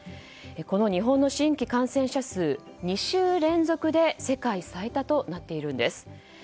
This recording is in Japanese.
この日本の新規感染者数２週連続で世界最多となっているんです。